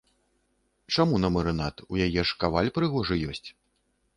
Чаму на марынад, у яе ж каваль прыгожы ёсць.